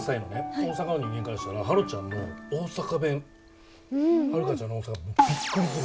大阪の人間からしたら芭路ちゃんの大阪弁遥ちゃんの大阪弁びっくりする。